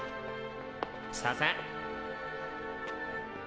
さーせん。